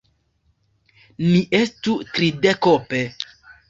Ni estu tridekope.